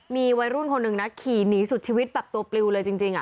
มีวัยรุ่นคนหนึ่งนะขี่หนีสุดชีวิตแบบตัวปลิวเลยจริง